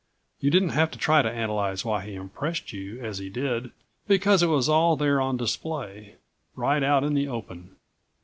You didn't have to try to analyze why he impressed you as he did, because it was all there on display, right out in the open.